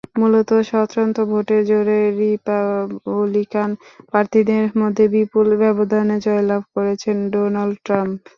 মূলত, স্বতন্ত্র ভোটের জোরে রিপাবলিকান প্রার্থীদের মধ্যে বিপুল ব্যবধানে জয়লাভ করেছেন ডোনাল্ড ট্রাম্প।